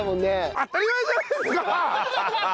当たり前じゃないですか！